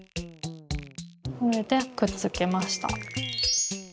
これでくっつきました。